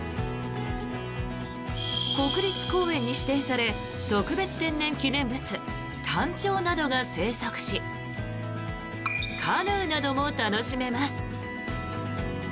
国立公園に指定され特別天然記念物タンチョウなどが生息しカヌーなども楽しめます。